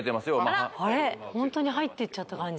あれっホントに入っていっちゃった感じ